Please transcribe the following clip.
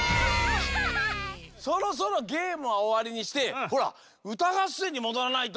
そろそろゲームはおわりにしてほらうたがっせんにもどらないと。